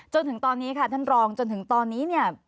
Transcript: จนถึงตอนนี้ค่ะท่านรองจนถึงตอนนี้เนี่ย